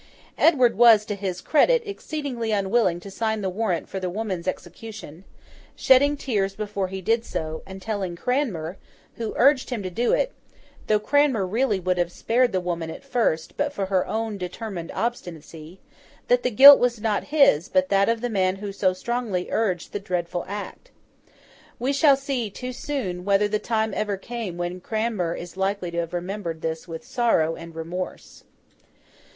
Edward was, to his credit, exceedingly unwilling to sign the warrant for the woman's execution: shedding tears before he did so, and telling Cranmer, who urged him to do it (though Cranmer really would have spared the woman at first, but for her own determined obstinacy), that the guilt was not his, but that of the man who so strongly urged the dreadful act. We shall see, too soon, whether the time ever came when Cranmer is likely to have remembered this with sorrow and remorse.